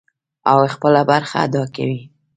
او خپله برخه ادا کوي.